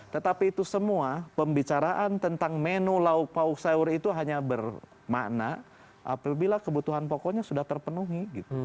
tetapi itu semua pembicaraan tentang menu lauk pauk sayur itu hanya bermakna apabila kebutuhan pokoknya sudah terpenuhi